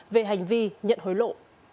về hành vi nhận hối lộ